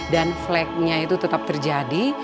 dan flagnya itu tetap terjadi